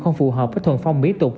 không phù hợp với thuần phong mỹ tục